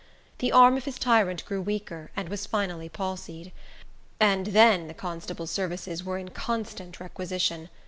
The arm of his tyrant grew weaker, and was finally palsied; and then the constable's services were in constant requisition.